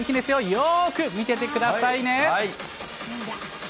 よーく見ててくださいね。